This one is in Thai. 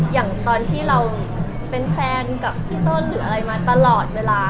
อย่างตอนที่เราเป็นแฟนกับพี่ส้นหรืออะไรมาตลอดเวลา